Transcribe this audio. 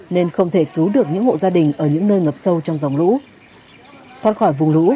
nên không thể cứu được những hộ gia đình ở những nơi ngập sâu trong dòng lũ thoát khỏi vùng lũ